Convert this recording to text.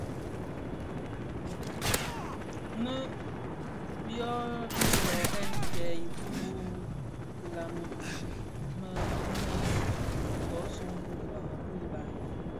Nnë byom bi löören lè iköö wu kilami ki gib nnë kōsuu bi kilami ki bë bani.